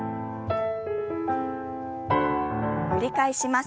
繰り返します。